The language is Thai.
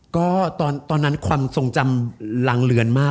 ก็ตอนนั้นความทรงจำลังเลือนมาก